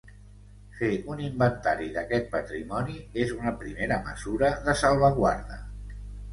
Fer un inventari d’aquest patrimoni és una primera mesura de salvaguarda.